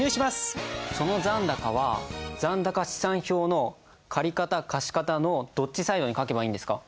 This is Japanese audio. その残高は残高試算表の借方貸方のどっちサイドに書けばいいんですか？